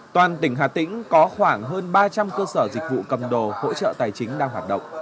toàn tỉnh hà tĩnh có khoảng hơn ba trăm linh cơ sở dịch vụ cầm đồ hỗ trợ tài chính đang hoạt động